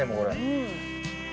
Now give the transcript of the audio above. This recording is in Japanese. うん。